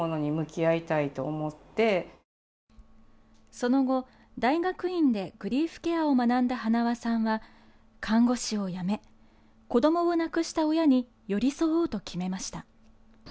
その後、大学院でグリーフケアを学んだ塙さんは看護師を辞め子どもを亡くした親に寄り添おうと決めました。